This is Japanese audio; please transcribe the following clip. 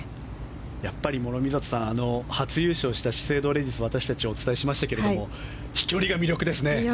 やっぱり、諸見里さん初優勝した資生堂レディス私たちお伝えしましたが飛距離が魅力ですね。